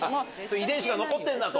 遺伝子が残ってんだと？